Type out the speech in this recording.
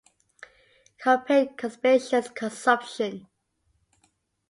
Compare conspicuous consumption.